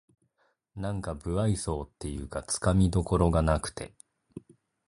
なんか無愛想っていうかつかみどころがなくて